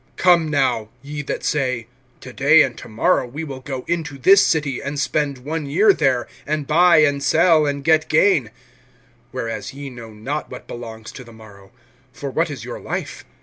(13)Come now, ye that say: To day and to morrow we will go into this city, and spend one year there, and buy and sell, and get gain; (14)(whereas ye know not what belongs to the morrow; for what is your life?